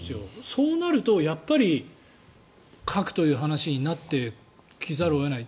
そうなると、やっぱり核という話になってきざるを得ない。